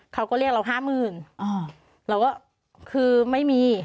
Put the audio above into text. เขาก็เรียกเราห้าหมื่นเราก็คือไม่มี